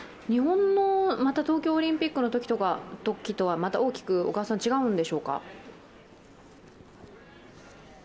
日本の東京オリンピックのときとはまた大きく違うんでしょうか。